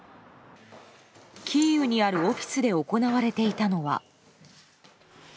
キーウにあるオフィスで行われていたのは。